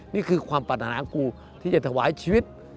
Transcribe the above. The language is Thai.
นี่คือความปัญหากูที่จะถวายชีวิต